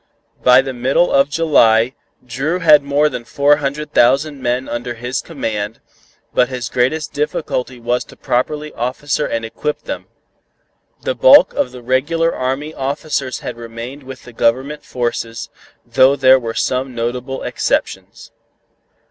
By the middle of July, Dru had more than four hundred thousand men under his command, but his greatest difficulty was to properly officer and equip them. The bulk of the regular army officers had remained with the Government forces, though there were some notable exceptions.